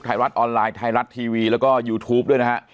ไทยรัฐออนไลน์ไทยรัฐทีวีแล้วก็ยูทูปด้วยนะฮะ